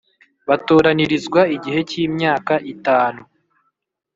Batoranirizwa igihe cy imyaka itanu